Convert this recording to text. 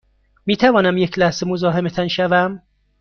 می توانم یک لحظه مزاحمتان شوم؟